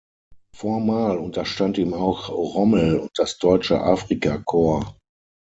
Formal unterstand ihm auch Rommel und das Deutsche Afrikakorps.